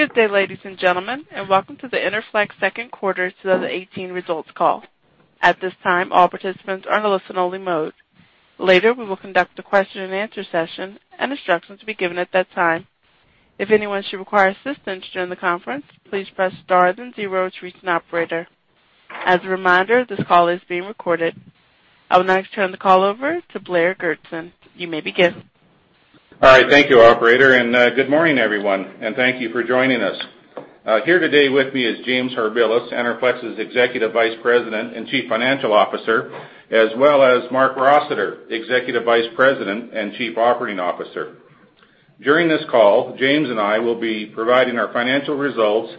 Good day, ladies and gentlemen, and welcome to the Enerflex second quarter 2018 results call. At this time, all participants are in a listen only mode. Later, we will conduct a question and answer session, and instructions will be given at that time. If anyone should require assistance during the conference, please press star then zero to reach an operator. As a reminder, this call is being recorded. I will now turn the call over to Blair Goertzen. You may begin. All right. Thank you, operator. Good morning, everyone, and thank you for joining us. Here today with me is James Harbilas, Enerflex's Executive Vice President and Chief Financial Officer, as well as Marc Rossiter, Executive Vice President and Chief Operating Officer. During this call, James and I will be providing our financial results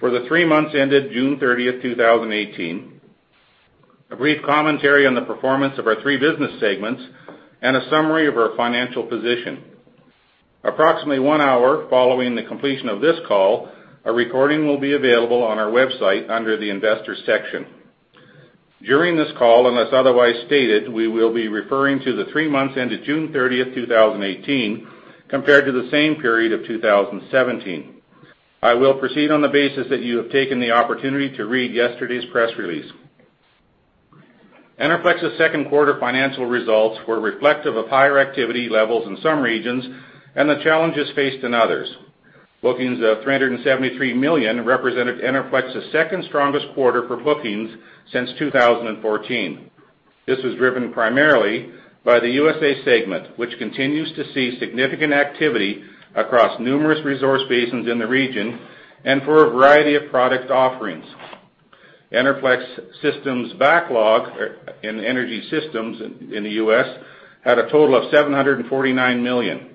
for the three months ended June 30th, 2018, a brief commentary on the performance of our three business segments, and a summary of our financial position. Approximately one hour following the completion of this call, a recording will be available on our website under the investor section. During this call, unless otherwise stated, we will be referring to the three months ended June 30th, 2018, compared to the same period of 2017. I will proceed on the basis that you have taken the opportunity to read yesterday's press release. Enerflex's second quarter financial results were reflective of higher activity levels in some regions and the challenges faced in others. Bookings of 373 million represented Enerflex's second strongest quarter for bookings since 2014. This was driven primarily by the U.S.A. segment, which continues to see significant activity across numerous resource basins in the region and for a variety of product offerings. Enerflex's backlog in Engineered Systems in the U.S. had a total of 749 million,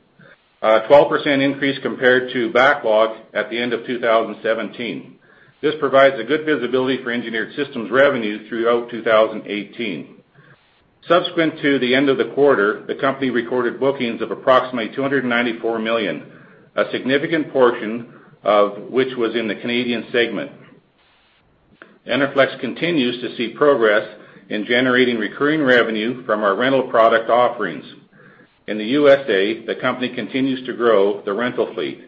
a 12% increase compared to backlog at the end of 2017. This provides good visibility for Engineered Systems revenue throughout 2018. Subsequent to the end of the quarter, the company recorded bookings of approximately 294 million, a significant portion of which was in the Canadian segment. Enerflex continues to see progress in generating recurring revenue from our rental product offerings. In the U.S.A., the company continues to grow the rental fleet,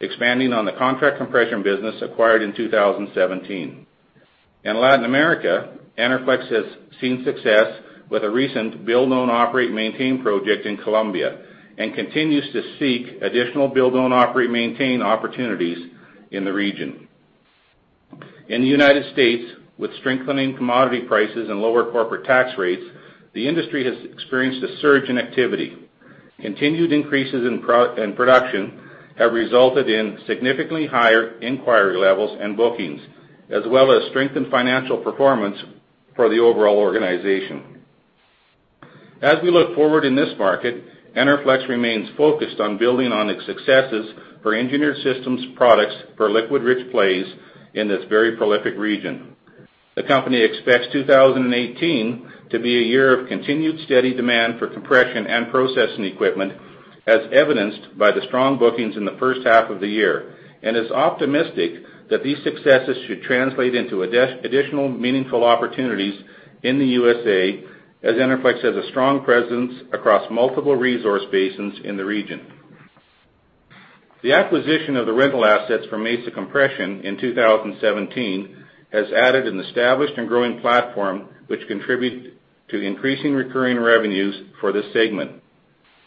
expanding on the U.S. Contract Compression business acquired in 2017. In Latin America, Enerflex has seen success with a recent Build-Own-Operate-Maintain project in Colombia and continues to seek additional Build-Own-Operate-Maintain opportunities in the region. In the United States, with strengthening commodity prices and lower corporate tax rates, the industry has experienced a surge in activity. Continued increases in production have resulted in significantly higher inquiry levels and bookings, as well as strengthened financial performance for the overall organization. As we look forward in this market, Enerflex remains focused on building on its successes for Engineered Systems products for liquid rich plays in this very prolific region. The company expects 2018 to be a year of continued steady demand for compression and processing equipment, as evidenced by the strong bookings in the first half of the year, and is optimistic that these successes should translate into additional meaningful opportunities in the USA, as Enerflex has a strong presence across multiple resource basins in the region. The acquisition of the rental assets from Mesa Compression in 2017 has added an established and growing platform which contribute to increasing recurring revenues for this segment.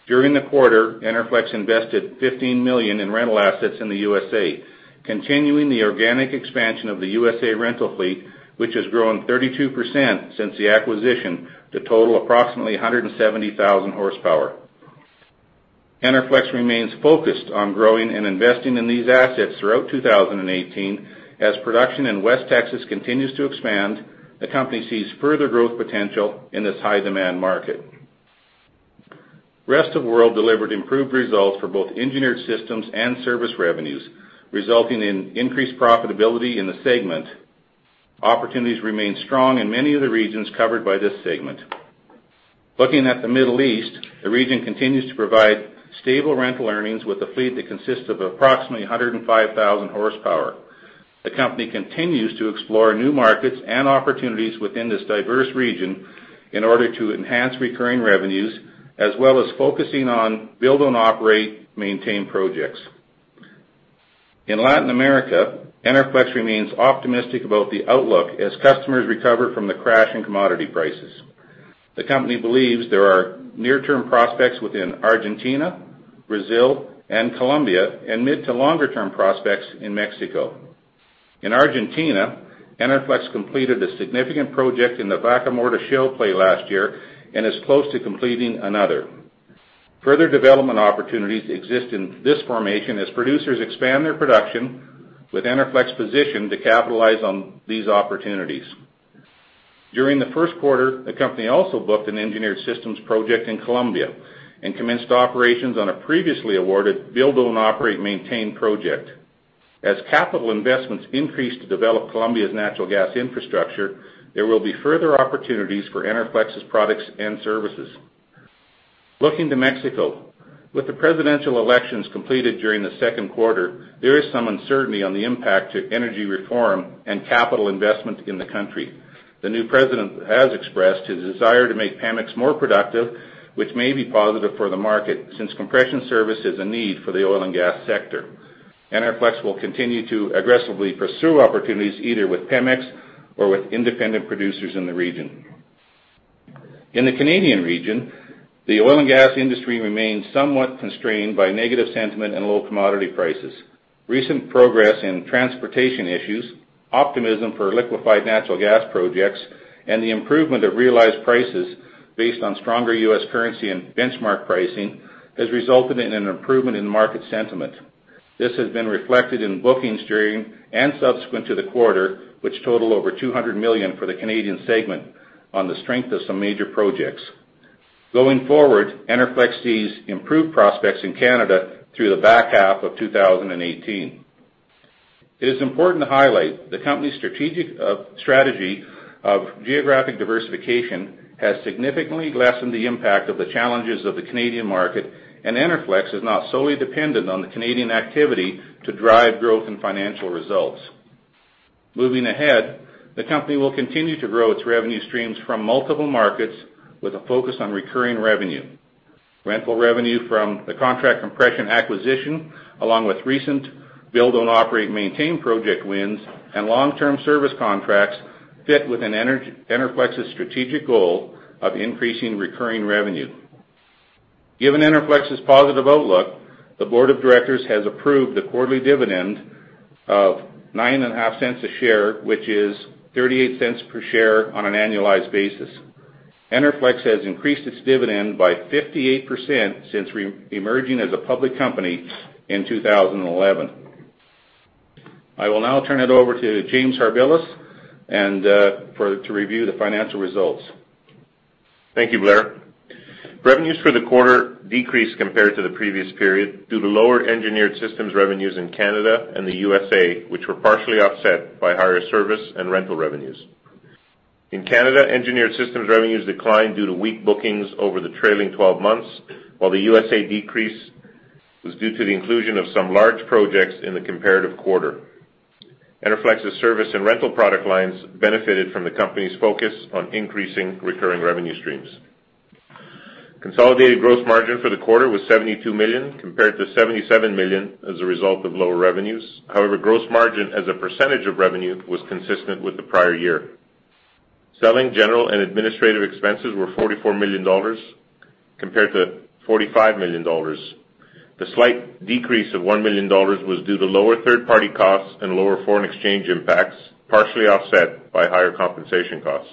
During the quarter, Enerflex invested 15 million in rental assets in the USA, continuing the organic expansion of the USA rental fleet, which has grown 32% since the acquisition to total approximately 170,000 horsepower. Enerflex remains focused on growing and investing in these assets throughout 2018. As production in West Texas continues to expand, the company sees further growth potential in this high demand market. Rest of world delivered improved results for both Engineered Systems and service revenues, resulting in increased profitability in the segment. Opportunities remain strong in many of the regions covered by this segment. Looking at the Middle East, the region continues to provide stable rental earnings with a fleet that consists of approximately 105,000 horsepower. The company continues to explore new markets and opportunities within this diverse region in order to enhance recurring revenues, as well as focusing on Build-Own-Operate-Maintain projects. In Latin America, Enerflex remains optimistic about the outlook as customers recover from the crash in commodity prices. The company believes there are near term prospects within Argentina, Brazil, and Colombia, and mid to longer term prospects in Mexico. In Argentina, Enerflex completed a significant project in the Vaca Muerta shale play last year and is close to completing another. Further development opportunities exist in this formation as producers expand their production, with Enerflex positioned to capitalize on these opportunities. During the first quarter, the company also booked an Engineered Systems project in Colombia and commenced operations on a previously awarded Build-Own-Operate-Maintain project. As capital investments increase to develop Colombia's natural gas infrastructure, there will be further opportunities for Enerflex's products and services. Looking to Mexico, with the presidential elections completed during the second quarter, there is some uncertainty on the impact to energy reform and capital investment in the country. The new president has expressed his desire to make Pemex more productive, which may be positive for the market, since compression service is a need for the oil and gas sector. Enerflex will continue to aggressively pursue opportunities either with Pemex or with independent producers in the region. In the Canadian region, the oil and gas industry remains somewhat constrained by negative sentiment and low commodity prices. Recent progress in transportation issues, optimism for liquefied natural gas projects, and the improvement of realized prices based on stronger U.S. currency and benchmark pricing, has resulted in an improvement in market sentiment. This has been reflected in bookings during and subsequent to the quarter, which total over 200 million for the Canadian segment on the strength of some major projects. Going forward, Enerflex sees improved prospects in Canada through the back half of 2018. It is important to highlight the company's strategy of geographic diversification has significantly lessened the impact of the challenges of the Canadian market, and Enerflex is not solely dependent on the Canadian activity to drive growth and financial results. Moving ahead, the company will continue to grow its revenue streams from multiple markets with a focus on recurring revenue. Rental revenue from the contract compression acquisition, along with recent Build-Own-Operate-Maintain project wins, and long-term service contracts fit within Enerflex's strategic goal of increasing recurring revenue. Given Enerflex's positive outlook, the board of directors has approved the quarterly dividend of 0.095 a share, which is 0.38 per share on an annualized basis. Enerflex has increased its dividend by 58% since emerging as a public company in 2011. I will now turn it over to James Harbilas to review the financial results. Thank you, Blair. Revenues for the quarter decreased compared to the previous period due to lower Engineered Systems revenues in Canada and the U.S.A., which were partially offset by higher service and rental revenues. In Canada, Engineered Systems revenues declined due to weak bookings over the trailing 12 months, while the U.S.A. decrease was due to the inclusion of some large projects in the comparative quarter. Enerflex's service and rental product lines benefited from the company's focus on increasing recurring revenue streams. Consolidated gross margin for the quarter was 72 million compared to 77 million as a result of lower revenues. However, gross margin as a percentage of revenue was consistent with the prior year. Selling, General and Administrative expenses were 44 million dollars compared to 45 million dollars. The slight decrease of 1 million dollars was due to lower third-party costs and lower foreign exchange impacts, partially offset by higher compensation costs.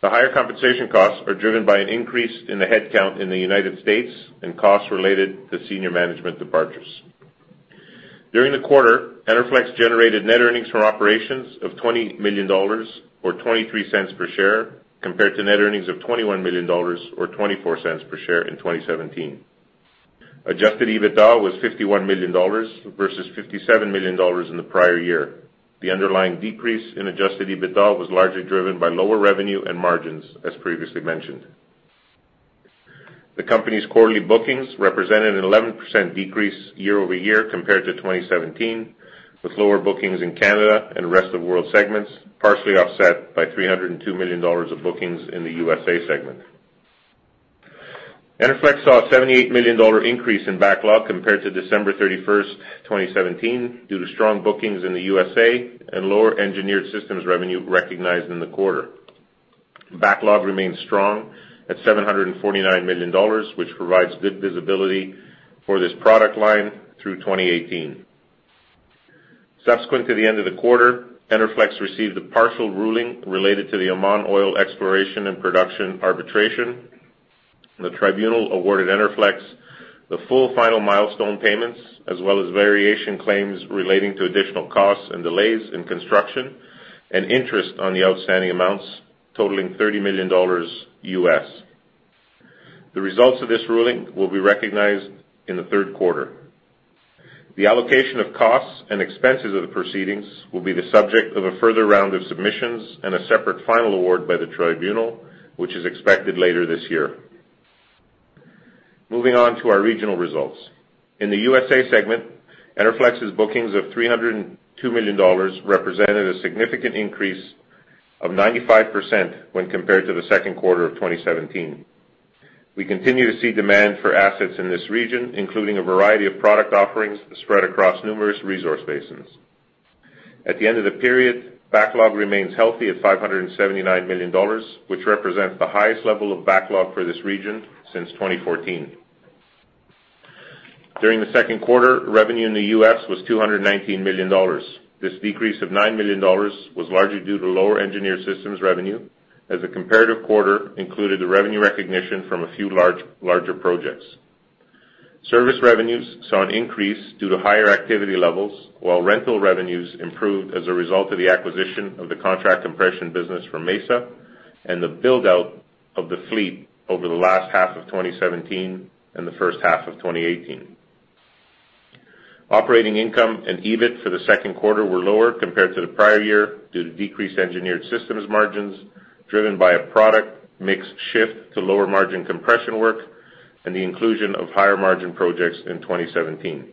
The higher compensation costs are driven by an increase in the headcount in the United States and costs related to senior management departures. During the quarter, Enerflex generated net earnings from operations of 20 million dollars, or 0.23 per share, compared to net earnings of 21 million dollars or 0.24 per share in 2017. Adjusted EBITDA was 51 million dollars versus 57 million dollars in the prior year. The underlying decrease in Adjusted EBITDA was largely driven by lower revenue and margins, as previously mentioned. The company's quarterly bookings represented an 11% decrease year-over-year compared to 2017, with lower bookings in Canada and rest of world segments, partially offset by 302 million dollars of bookings in the U.S.A. segment. Enerflex saw a 78 million dollar increase in backlog compared to December 31st, 2017, due to strong bookings in the U.S.A. and lower Engineered Systems revenue recognized in the quarter. Backlog remains strong at 749 million dollars, which provides good visibility for this product line through 2018. Subsequent to the end of the quarter, Enerflex received a partial ruling related to the Oman Oil Company Exploration & Production arbitration. The tribunal awarded Enerflex the full final milestone payments, as well as variation claims relating to additional costs and delays in construction and interest on the outstanding amounts totaling $30 million U.S. The results of this ruling will be recognized in the third quarter. The allocation of costs and expenses of the proceedings will be the subject of a further round of submissions and a separate final award by the tribunal, which is expected later this year. Moving on to our regional results. In the U.S.A. segment, Enerflex's bookings of 302 million dollars represented a significant increase of 95% when compared to the second quarter of 2017. We continue to see demand for assets in this region, including a variety of product offerings spread across numerous resource basins. At the end of the period, backlog remains healthy at 579 million dollars, which represents the highest level of backlog for this region since 2014. During the second quarter, revenue in the U.S. was $219 million. This decrease of $9 million was largely due to lower Engineered Systems revenue, as the comparative quarter included the revenue recognition from a few larger projects. Service revenues saw an increase due to higher activity levels, while rental revenues improved as a result of the acquisition of the contract compression business from Mesa and the build-out of the fleet over the last half of 2017 and the first half of 2018. Operating income and EBIT for the second quarter were lower compared to the prior year due to decreased Engineered Systems margins driven by a product mix shift to lower margin compression work and the inclusion of higher margin projects in 2017.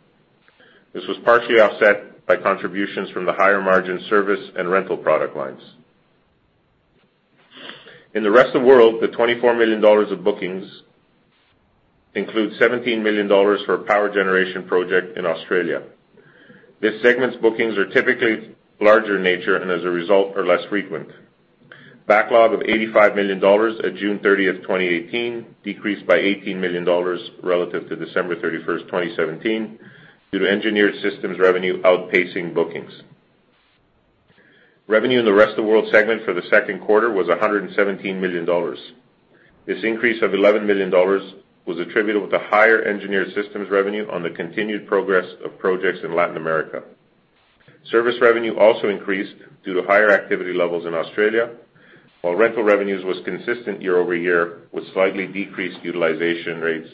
This was partially offset by contributions from the higher-margin service and rental product lines. In the rest of the world, the 24 million dollars of bookings include 17 million dollars for a power generation project in Australia. This segment's bookings are typically larger in nature and as a result, are less frequent. Backlog of 85 million dollars at June 30th, 2018, decreased by 18 million dollars relative to December 31st, 2017, due to Engineered Systems revenue outpacing bookings. Revenue in the rest of world segment for the second quarter was 117 million dollars. This increase of 11 million dollars was attributable to higher Engineered Systems revenue on the continued progress of projects in Latin America. Service revenue also increased due to higher activity levels in Australia, while rental revenues was consistent year-over-year with slightly decreased utilization rates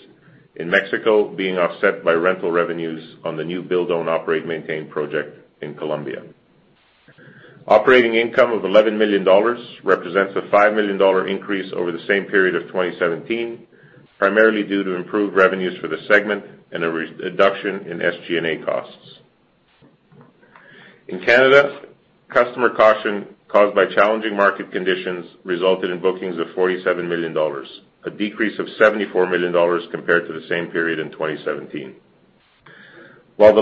in Mexico being offset by rental revenues on the new Build-Own-Operate-Maintain project in Colombia. Operating income of 11 million dollars represents a 5 million dollar increase over the same period of 2017, primarily due to improved revenues for the segment and a reduction in SG&A costs. In Canada, customer caution caused by challenging market conditions resulted in bookings of 47 million dollars, a decrease of 74 million dollars compared to the same period in 2017. While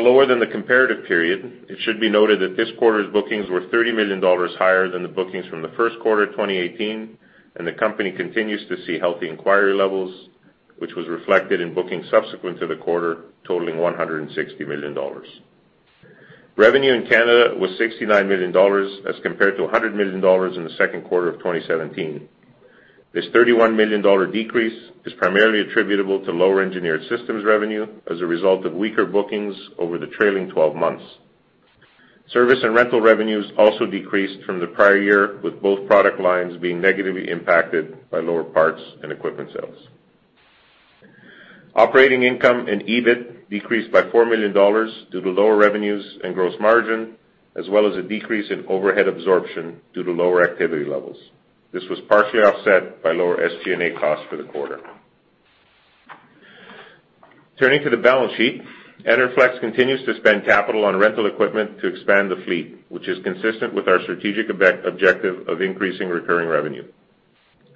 lower than the comparative period, it should be noted that this quarter's bookings were 30 million dollars higher than the bookings from the first quarter 2018, and the company continues to see healthy inquiry levels, which was reflected in booking subsequent to the quarter, totaling 160 million dollars. Revenue in Canada was 69 million dollars as compared to 100 million dollars in the second quarter of 2017. This 31 million dollar decrease is primarily attributable to lower Engineered Systems revenue as a result of weaker bookings over the trailing 12 months. Service and rental revenues also decreased from the prior year, with both product lines being negatively impacted by lower parts and equipment sales. Operating income and EBIT decreased by 4 million dollars due to lower revenues and gross margin, as well as a decrease in overhead absorption due to lower activity levels. This was partially offset by lower SG&A costs for the quarter. Turning to the balance sheet, Enerflex continues to spend capital on rental equipment to expand the fleet, which is consistent with our strategic objective of increasing recurring revenue.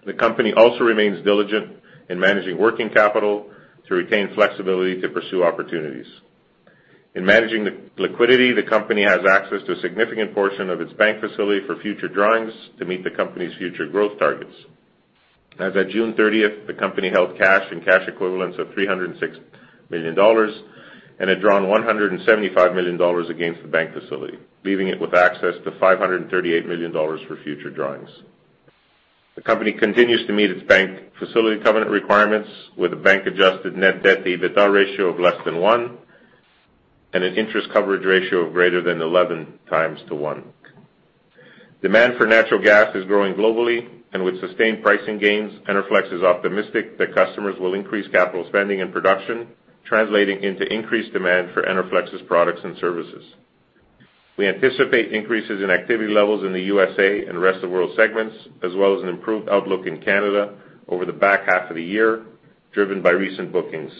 The company also remains diligent in managing working capital to retain flexibility to pursue opportunities. In managing the liquidity, the company has access to a significant portion of its bank facility for future drawings to meet the company's future growth targets. As at June 30th, the company held cash and cash equivalents of 306 million dollars and had drawn 175 million dollars against the bank facility, leaving it with access to 538 million dollars for future drawings. The company continues to meet its bank facility covenant requirements with a bank-adjusted net debt-to-EBITDA ratio of less than 1, and an interest coverage ratio of greater than 11 times to 1. With sustained pricing gains, Enerflex is optimistic that customers will increase capital spending and production, translating into increased demand for Enerflex's products and services. We anticipate increases in activity levels in the U.S. and rest of world segments, as well as an improved outlook in Canada over the back half of the year, driven by recent bookings.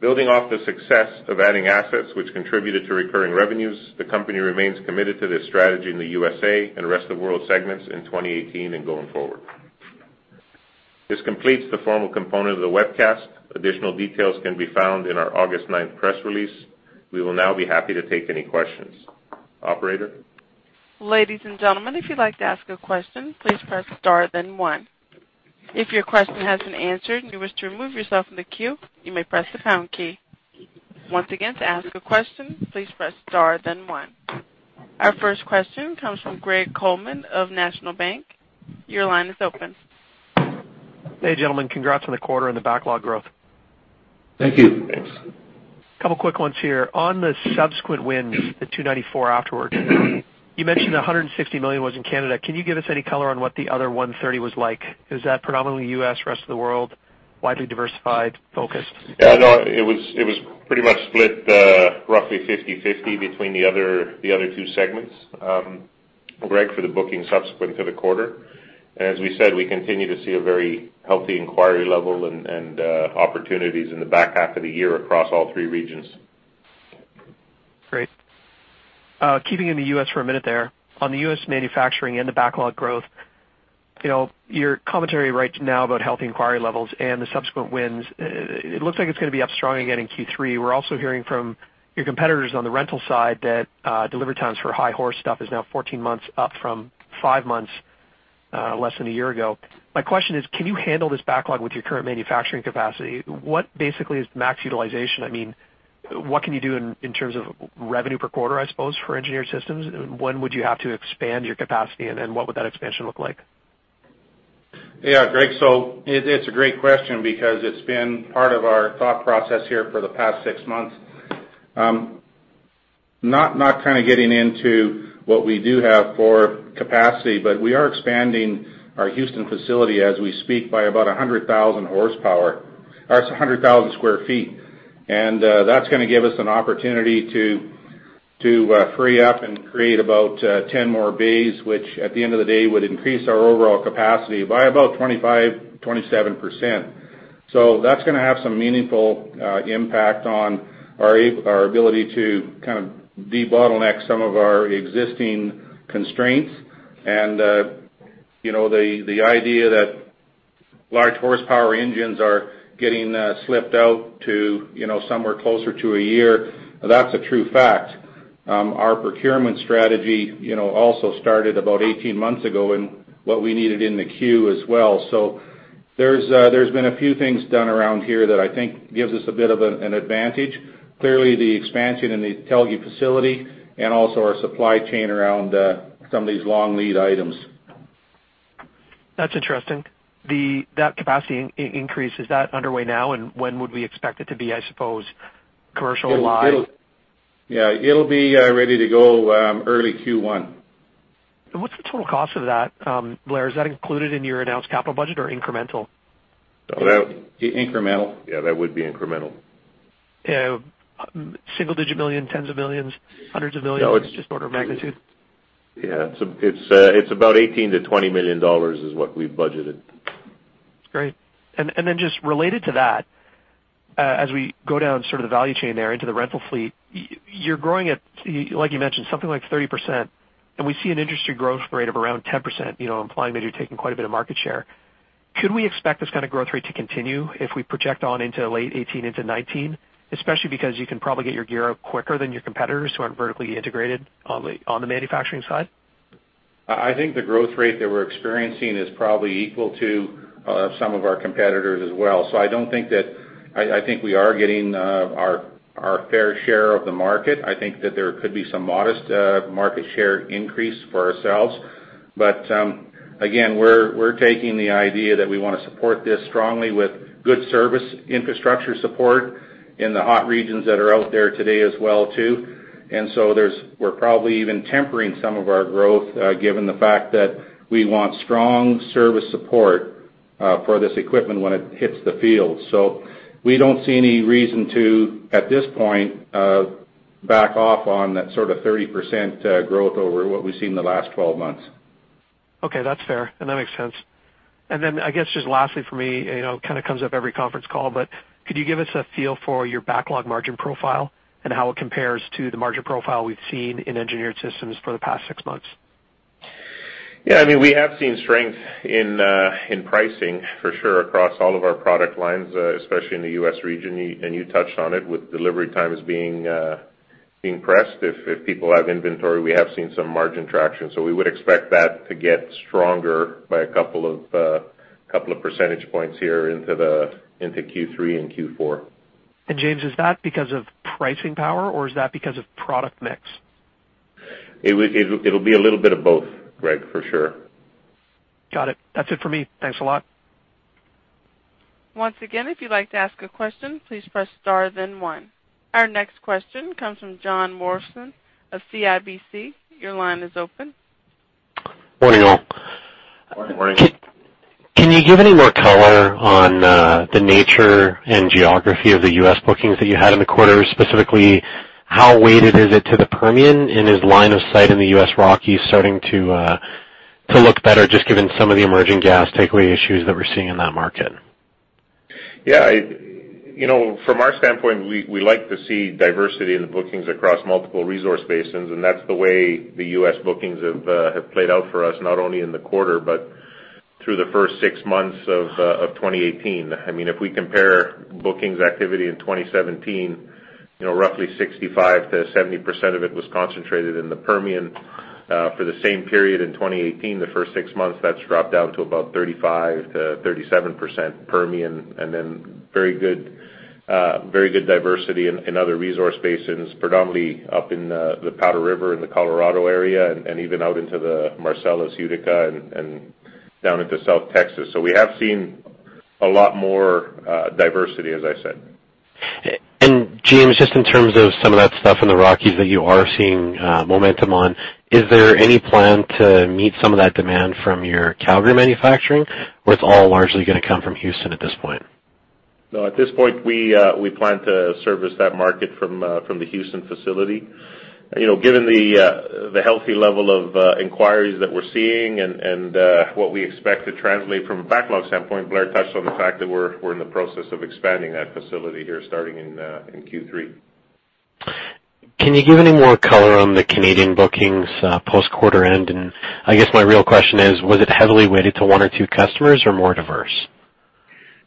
Building off the success of adding assets which contributed to recurring revenues, the company remains committed to this strategy in the U.S. and rest of world segments in 2018 and going forward. This completes the formal component of the webcast. Additional details can be found in our August 9th press release. We will now be happy to take any questions. Operator? Ladies and gentlemen, if you'd like to ask a question, please press star then one. If your question has been answered and you wish to remove yourself from the queue, you may press the pound key. Once again, to ask a question, please press star then one. Our first question comes from Greg Colman of National Bank. Your line is open. Hey, gentlemen. Congrats on the quarter and the backlog growth. Thank you. Thanks. Couple quick ones here. On the subsequent wins, the 294 afterwards, you mentioned 160 million was in Canada. Can you give us any color on what the other 130 was like? Is that predominantly U.S., rest of the world, widely diversified, focused? Yeah, no, it was pretty much split roughly 50/50 between the other two segments, Greg, for the booking subsequent to the quarter. As we said, we continue to see a very healthy inquiry level and opportunities in the back half of the year across all three regions. Great. Keeping in the U.S. for a minute there, on the U.S. manufacturing and the backlog growth, your commentary right now about healthy inquiry levels and the subsequent wins, it looks like it's going to be up strong again in Q3. We're also hearing from your competitors on the rental side that delivery times for high horse stuff is now 14 months, up from five months less than a year ago. My question is, can you handle this backlog with your current manufacturing capacity? What basically is max utilization? What can you do in terms of revenue per quarter, I suppose, for Engineered Systems? When would you have to expand your capacity, and then what would that expansion look like? Yeah, Greg, it's a great question because it's been part of our thought process here for the past six months. Not getting into what we do have for capacity, but we are expanding our Houston facility as we speak by about 100,000 sq ft. That's going to give us an opportunity to To free up and create about 10 more bays, which at the end of the day, would increase our overall capacity by about 25%-27%. That's going to have some meaningful impact on our ability to de-bottleneck some of our existing constraints and the idea that large horsepower engines are getting slipped out to somewhere closer to a year, that's a true fact. Our procurement strategy also started about 18 months ago and what we needed in the queue as well. There's been a few things done around here that I think gives us a bit of an advantage. Clearly, the expansion in the Telge facility and also our supply chain around some of these long lead items. That's interesting. That capacity increase, is that underway now? When would we expect it to be, I suppose, commercially live? Yeah, it'll be ready to go early Q1. What's the total cost of that, Blair? Is that included in your announced capital budget or incremental? Incremental. Yeah, that would be incremental. Yeah. Single digit million, tens of millions, hundreds of millions? Just order of magnitude. Yeah. It's about 18 million-20 million dollars is what we've budgeted. Great. Just related to that, as we go down sort of the value chain there into the rental fleet, you're growing at, like you mentioned, something like 30%. We see an industry growth rate of around 10%, implying that you're taking quite a bit of market share. Could we expect this kind of growth rate to continue if we project on into late 2018 into 2019, especially because you can probably get your gear up quicker than your competitors who aren't vertically integrated on the manufacturing side? I think the growth rate that we're experiencing is probably equal to some of our competitors as well. I think we are getting our fair share of the market. I think that there could be some modest market share increase for ourselves. Again, we're taking the idea that we want to support this strongly with good service infrastructure support in the hot regions that are out there today as well too. We're probably even tempering some of our growth given the fact that we want strong service support for this equipment when it hits the field. We don't see any reason to, at this point, back off on that sort of 30% growth over what we've seen in the last 12 months. Okay, that's fair, and that makes sense. I guess just lastly from me, kind of comes up every conference call, could you give us a feel for your backlog margin profile and how it compares to the margin profile we've seen in Engineered Systems for the past six months? Yeah, we have seen strength in pricing for sure across all of our product lines, especially in the U.S. region, and you touched on it with delivery times being pressed. If people have inventory, we have seen some margin traction, we would expect that to get stronger by a couple of percentage points here into Q3 and Q4. James, is that because of pricing power, or is that because of product mix? It'll be a little bit of both, Greg, for sure. Got it. That's it for me. Thanks a lot. Once again, if you'd like to ask a question, please press star then one. Our next question comes from Jon Morrison of CIBC. Your line is open. Morning, all. Morning. Can you give any more color on the nature and geography of the U.S. bookings that you had in the quarter? Specifically, how weighted is it to the Permian? Is line of sight in the U.S. Rockies starting to look better just given some of the emerging gas take-away issues that we're seeing in that market? Yeah. From our standpoint, we like to see diversity in the bookings across multiple resource basins, that's the way the U.S. bookings have played out for us, not only in the quarter but through the first six months of 2018. If we compare bookings activity in 2017, roughly 65%-70% of it was concentrated in the Permian. For the same period in 2018, the first six months, that's dropped down to about 35%-37% Permian, then very good diversity in other resource basins, predominantly up in the Powder River in the Colorado area and even out into the Marcellus Utica and down into South Texas. We have seen a lot more diversity, as I said. James, just in terms of some of that stuff in the Rockies that you are seeing momentum on, is there any plan to meet some of that demand from your Calgary manufacturing, or it's all largely going to come from Houston at this point? No, at this point, we plan to service that market from the Houston facility. Given the healthy level of inquiries that we're seeing and what we expect to translate from a backlog standpoint, Blair touched on the fact that we're in the process of expanding that facility here starting in Q3. Can you give any more color on the Canadian bookings post quarter end? I guess my real question is, was it heavily weighted to one or two customers or more diverse?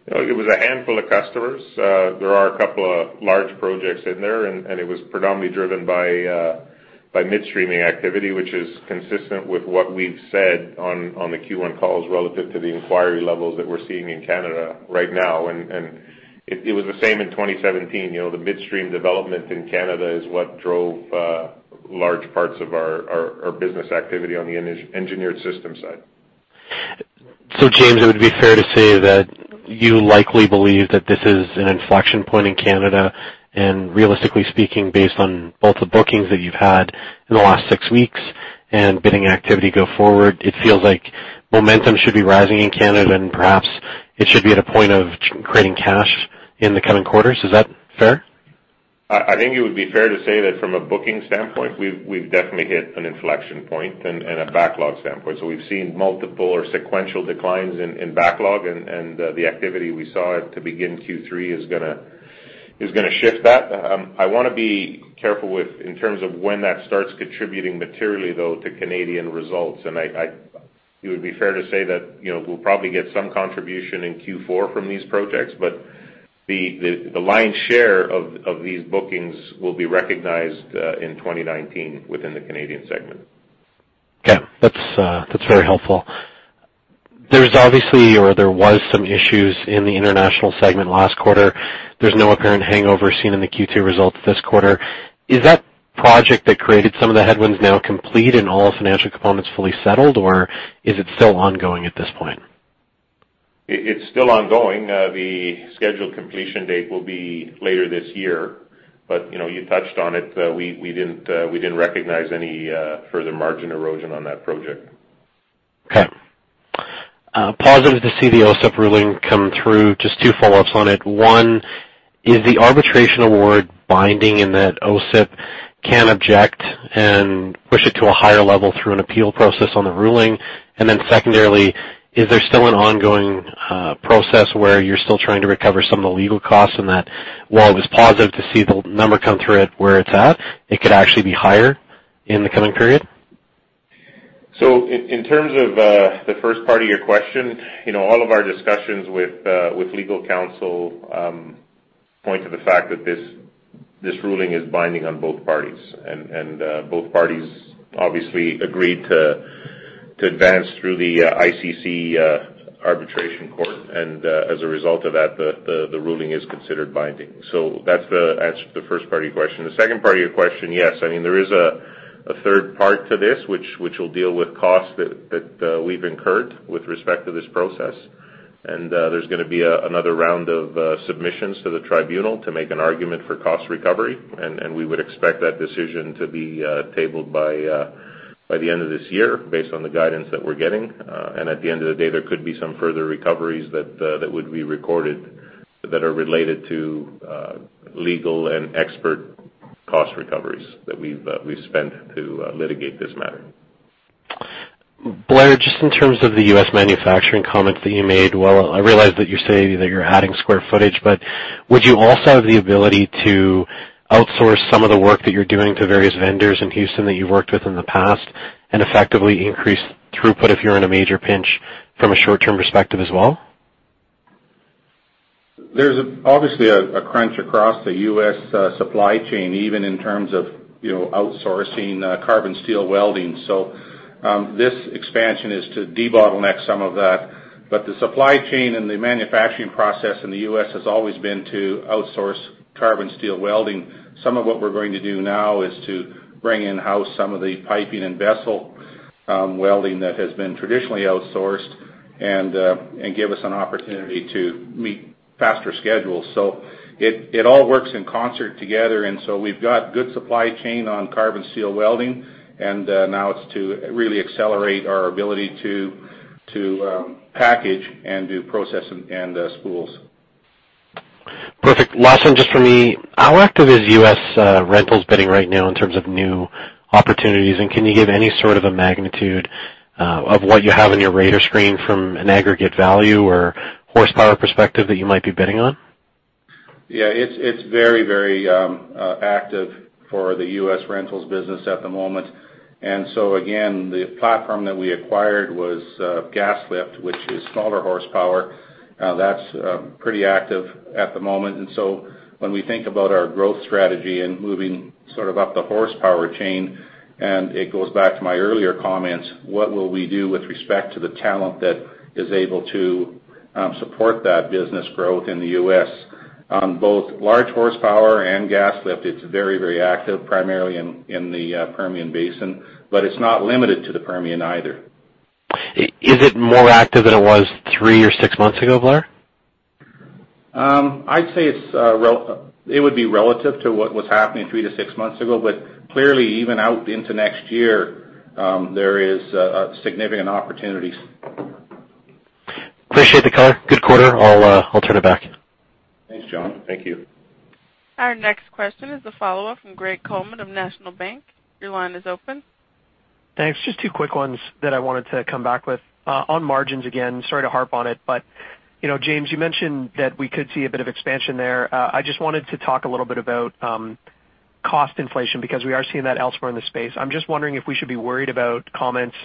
It was a handful of customers. There are a couple of large projects in there, and it was predominantly driven by midstreaming activity, which is consistent with what we've said on the Q1 calls relative to the inquiry levels that we're seeing in Canada right now. It was the same in 2017. The midstream development in Canada is what drove large parts of our business activity on the Engineered Systems side. James, would it be fair to say that you likely believe that this is an inflection point in Canada? Realistically speaking, based on both the bookings that you've had in the last six weeks and bidding activity go forward, it feels like momentum should be rising in Canada and perhaps it should be at a point of creating cash in the coming quarters. Is that fair? I think it would be fair to say that from a booking standpoint, we've definitely hit an inflection point and a backlog standpoint. We've seen multiple or sequential declines in backlog and the activity we saw to begin Q3 is going to shift that. I want to be careful in terms of when that starts contributing materially, though, to Canadian results. It would be fair to say that we'll probably get some contribution in Q4 from these projects, but the lion's share of these bookings will be recognized in 2019 within the Canadian segment. Okay. That's very helpful. There's obviously, or there was some issues in the International segment last quarter. There's no apparent hangover seen in the Q2 results this quarter. Is that project that created some of the headwinds now complete and all financial components fully settled, or is it still ongoing at this point? It's still ongoing. The scheduled completion date will be later this year. You touched on it. We didn't recognize any further margin erosion on that project. Okay. Positive to see the OOCEP ruling come through. Just two follow-ups on it. One, is the arbitration award binding in that OOCEP can object and push it to a higher level through an appeal process on the ruling? Secondarily, is there still an ongoing process where you're still trying to recover some of the legal costs in that, while it was positive to see the number come through it where it's at, it could actually be higher in the coming period? In terms of the first part of your question, all of our discussions with legal counsel point to the fact that this ruling is binding on both parties. Both parties obviously agreed to advance through the ICC arbitration court. As a result of that, the ruling is considered binding. That's the answer to the first part of your question. The second part of your question, yes, there is a third part to this, which will deal with costs that we've incurred with respect to this process. There's going to be another round of submissions to the tribunal to make an argument for cost recovery. We would expect that decision to be tabled by the end of this year, based on the guidance that we're getting. At the end of the day, there could be some further recoveries that would be recorded that are related to legal and expert cost recoveries that we've spent to litigate this matter. Blair, just in terms of the U.S. manufacturing comments that you made, while I realize that you say that you're adding square footage, would you also have the ability to outsource some of the work that you're doing to various vendors in Houston that you've worked with in the past and effectively increase throughput if you're in a major pinch from a short-term perspective as well? There's obviously a crunch across the U.S. supply chain, even in terms of outsourcing carbon steel welding. This expansion is to debottleneck some of that. The supply chain and the manufacturing process in the U.S. has always been to outsource carbon steel welding. Some of what we're going to do now is to bring in-house some of the piping and vessel welding that has been traditionally outsourced and give us an opportunity to meet faster schedules. It all works in concert together. We've got good supply chain on carbon steel welding, now it's to really accelerate our ability to package and do processing and spools. Perfect. Last one, just for me, how active is U.S. rentals bidding right now in terms of new opportunities? Can you give any sort of a magnitude of what you have on your radar screen from an aggregate value or horsepower perspective that you might be bidding on? Yeah, it's very active for the U.S. rentals business at the moment. Again, the platform that we acquired was gas lift, which is smaller horsepower. That's pretty active at the moment. When we think about our growth strategy and moving sort of up the horsepower chain, and it goes back to my earlier comments, what will we do with respect to the talent that is able to support that business growth in the U.S.? Both large horsepower and gas lift, it's very active, primarily in the Permian Basin, but it's not limited to the Permian either. Is it more active than it was three or six months ago, Blair? I'd say it would be relative to what was happening three to six months ago. Clearly, even out into next year, there is significant opportunities. Appreciate the color. Good quarter. I'll turn it back. Thanks, John. Thank you. Our next question is a follow-up from Greg Coleman of National Bank. Your line is open. Thanks. Just two quick ones that I wanted to come back with. On margins, again, sorry to harp on it, but James, you mentioned that we could see a bit of expansion there. I just wanted to talk a little bit about cost inflation, because we are seeing that elsewhere in the space. I'm just wondering if we should be worried about comments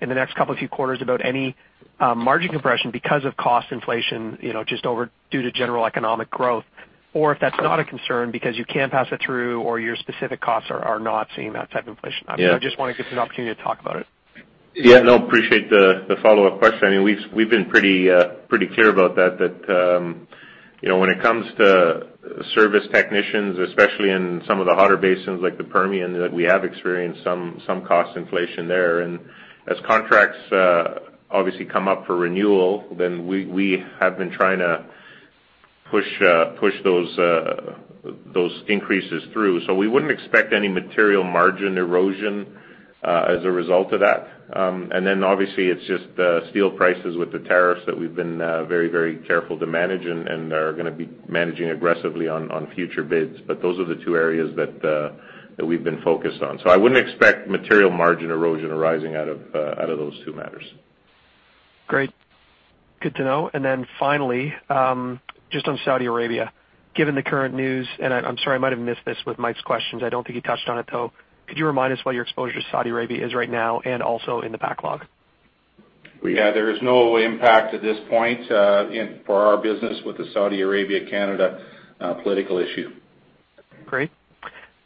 in the next couple of few quarters about any margin compression because of cost inflation, just over due to general economic growth, or if that's not a concern because you can pass it through or your specific costs are not seeing that type of inflation. Yeah. I just want to get an opportunity to talk about it. Yeah, no, appreciate the follow-up question. We've been pretty clear about that when it comes to service technicians, especially in some of the hotter basins like the Permian, that we have experienced some cost inflation there. As contracts obviously come up for renewal, we have been trying to push those increases through. We wouldn't expect any material margin erosion as a result of that. Obviously, it's just steel prices with the tariffs that we've been very careful to manage and are going to be managing aggressively on future bids. Those are the two areas that we've been focused on. I wouldn't expect material margin erosion arising out of those two matters. Great. Good to know. Finally, just on Saudi Arabia, given the current news, I'm sorry, I might have missed this with Mike's questions. I don't think he touched on it, though. Could you remind us what your exposure to Saudi Arabia is right now and also in the backlog? Yeah, there is no impact at this point for our business with the Saudi Arabia-Canada political issue. Great.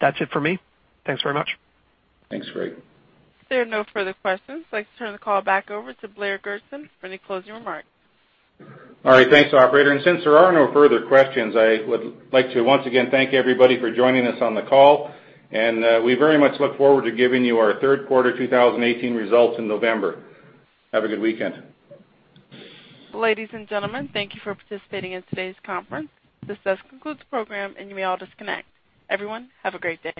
That's it for me. Thanks very much. Thanks, Greg. There are no further questions. I'd like to turn the call back over to Blair Gertsma for any closing remarks. All right. Thanks, operator. Since there are no further questions, I would like to once again thank everybody for joining us on the call, and we very much look forward to giving you our third quarter 2018 results in November. Have a good weekend. Ladies and gentlemen, thank you for participating in today's conference. This does conclude the program, and you may all disconnect. Everyone, have a great day.